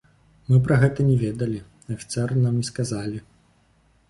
Мы пра гэта не ведалі, афіцэры нам не сказалі.